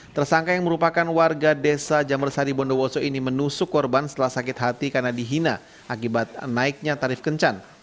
tersangka yang merupakan warga desa jamur sari bondowoso ini menusuk korban setelah sakit hati karena dihina akibat naiknya tarif kencan